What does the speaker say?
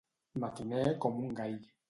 Matiner com un gall.